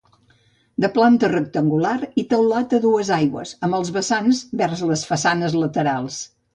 De planta rectangular i teulat a dues aigües, amb els vessants vers les façanes laterals.